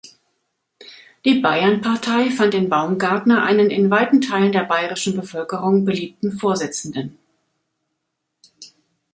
Die Bayernpartei fand in Baumgartner einen in weiten Teilen der bayerischen Bevölkerung beliebten Vorsitzenden.